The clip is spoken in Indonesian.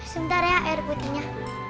sebentar ya air putihnya